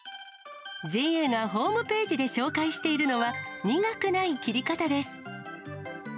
ＪＡがホームページで紹介しているのは、苦くない切り方です。